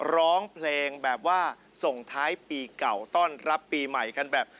ร้องเพลงแบบว่าส่งท้ายปีเก่าต้อนรับปีใหม่กันแบบ